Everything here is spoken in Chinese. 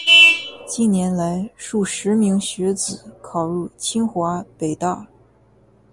近年来，数十名学子考入清华、北大